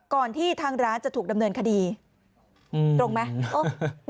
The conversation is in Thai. ก่อนที่ทางร้านจะถูกดำเนินคดีอืมตรงไหมโอ๊ย